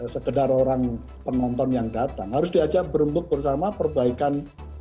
sekedar orang penonton yang datang harus diajak berembuk bersama perbaikan